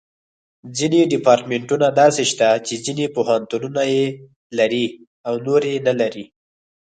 ځینې ډیپارټمنټونه داسې شته چې ځینې پوهنتونونه یې لري او نور یې نه لري.